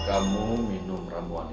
kamu minum ramuan ini